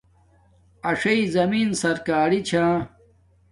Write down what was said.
اݽݵ زمیں سرکاری چھا